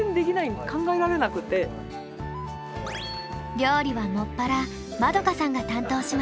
料理は専ら円さんが担当します。